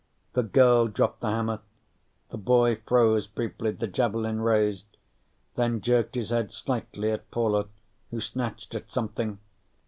The girl dropped the hammer. The boy froze briefly, his javelin raised, then jerked his head slightly at Paula, who snatched at something.